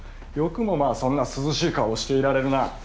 よくもまあそんな涼しい顔をしていられるな。